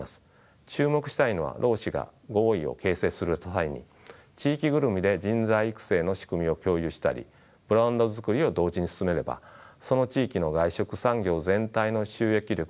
注目したいのは労使が合意を形成する際に地域ぐるみで人材育成の仕組みを共有したりブランドづくりを同時に進めればその地域の外食産業全体の収益力強化が期待できることです。